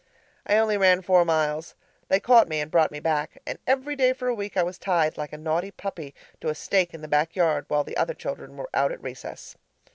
I only ran four miles. They caught me and brought me back; and every day for a week I was tied, like a naughty puppy, to a stake in the back yard while the other children were out at recess.